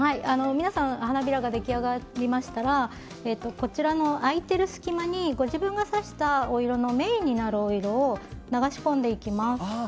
皆さん花びらが出来上がりましたらこちらの空いている隙間にご自分が刺したお色のメインになるお色を流し込んでいきます。